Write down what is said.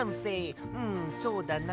んそうだな。